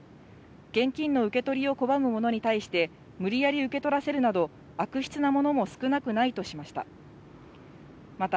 現金の受け取りを拒む者に対して、無理やり受け取らせるなど、悪質なものも少なくないとしました。